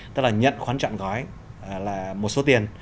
tức là nhận khoán chọn gói là một số tiền